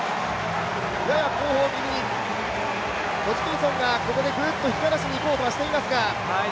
やや後方気味、ホジキンソンがここでぐっと引き離しにいこうとはしていますが。